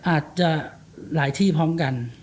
อาจจะหลายที่พร้อมกัน